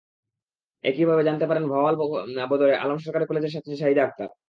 একইভাবে জানতে পারেন ভাওয়াল বদরে আলম সরকারি কলেজের ছাত্রী সাহিদা আক্তার।